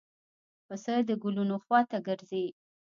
پسه د ګلونو خوا ته ګرځي.